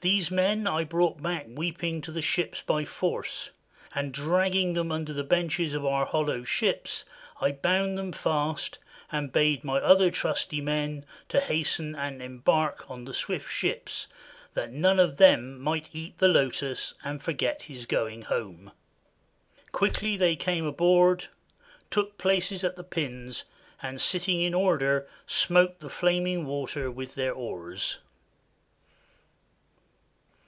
These men I brought back weeping to the ships by force, and dragging them under the benches of our hollow ships I bound them fast, and bade my other trusty men to hasten and embark on the swift ships, that none of them might eat the lotus and forget his going home. Quickly they came aboard, took places at the pins, and sitting in order smote the flaming water with their oars.